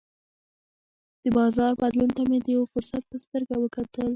د بازار بدلون ته مې د یوه فرصت په سترګه وکتل.